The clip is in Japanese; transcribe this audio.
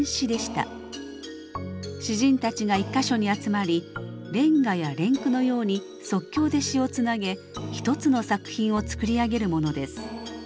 詩人たちが一か所に集まり連歌や連句のように即興で詩をつなげ一つの作品を作り上げるものです。